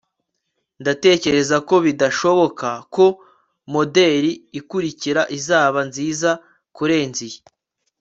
ndatekereza ko bidashoboka ko moderi ikurikira izaba nziza kurenza iyi